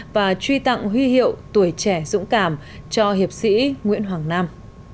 và truy tặng huy hiệu tuổi trẻ dũng cảm cho hiệp sĩ nguyễn hoàng nam